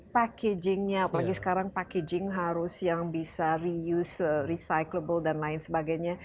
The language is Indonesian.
packagingnya apalagi sekarang packaging harus yang bisa reuse recyclable dan lain sebagainya